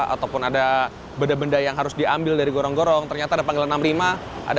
ataupun ada benda benda yang harus diambil dari gorong gorong ternyata ada panggilan enam puluh lima ada